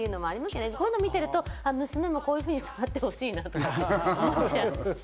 そういうのを見てると、娘もこういうふうに育ってほしいなって思っちゃう。